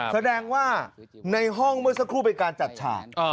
แสดงว่าในห้องเมื่อสักครู่เป็นการจัดฉาก